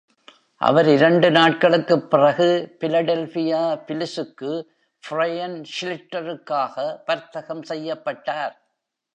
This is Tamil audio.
அவர் இரண்டு நாட்களுக்குப் பிறகு பிலடெல்பியா பிலிஸுக்கு பிரையன் ஷ்லிட்டருக்காக வர்த்தகம் செய்யப்பட்டார்.